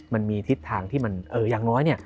มันมีทิศทางที่มันอย่างน้อยเนี่ย